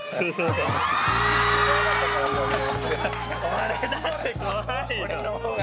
俺だって怖いよ。